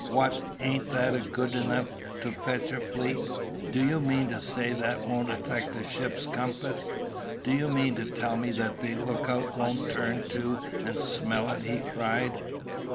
What! ain't that good enough to fetch a fleet? Do you mean to say that won't affect a ship's compass? Do you mean to tell me that the lookout won't turn to and SMELL it?" he cried.